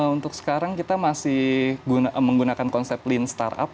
untuk sekarang kita masih menggunakan konsep lean startup